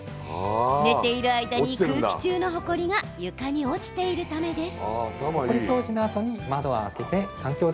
寝ている間に空気中のほこりが床に落ちているからです。